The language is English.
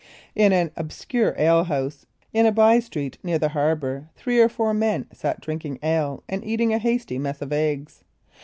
In an obscure alehouse in a by street near the harbour, three or four men sat drinking ale and eating a hasty mess of eggs.